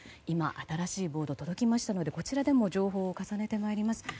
今、新しいボードが届きましたのでこちらでも情報を重ねてまいります。